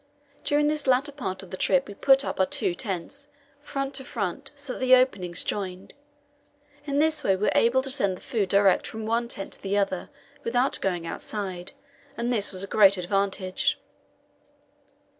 During this latter part of the trip we put up our two tents front to front, so that the openings joined; in this way we were able to send the food direct from one tent to the other without going outside, and that was a great advantage.